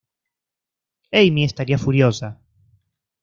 Amy estaría furiosa.